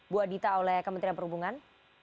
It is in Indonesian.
bu adita oleh kementerian perhubungan